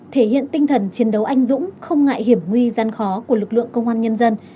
thể hiện tinh thần chiến đấu anh dũng không ngại hiểm nguy gian khó của lực lượng công an nhân dân